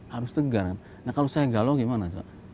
harus tegar nah kalau saya galau gimana